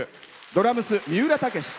ドラムス、三浦剛志。